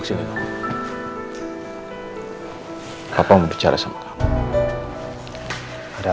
masih ingin mendengar suaramu